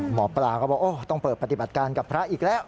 หมอปลาก็บอกต้องเปิดปฏิบัติการกับพระอีกแล้ว